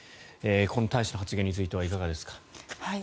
この大使の発言についてはいかがですか？